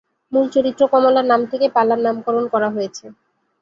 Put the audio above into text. মূল চরিত্র কমলার নাম থেকে পালার নামকরণ করা হয়েছে।